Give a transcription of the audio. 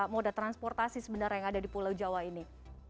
moda transportasi sebenarnya yang ada di pulau jawa ini